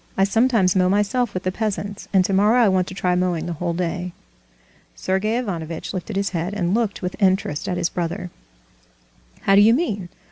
I sometimes mow myself with the peasants, and tomorrow I want to try mowing the whole day." Sergey Ivanovitch lifted his head, and looked with interest at his brother. "How do you mean?